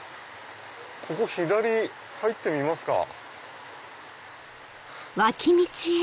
ここ左入ってみますか。